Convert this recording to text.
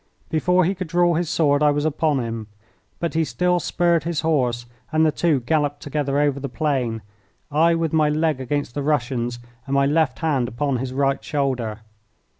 Before he could draw his sword I was upon him; but he still spurred his horse, and the two galloped together over the plain, I with my leg against the Russian's and my left hand upon his right shoulder.